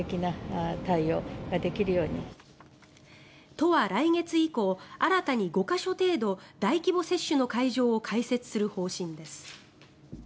都は来月以降新たに５か所程度大規模接種の会場を開設する方針です。